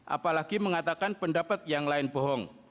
apalagi mengatakan pendapat yang lain bohong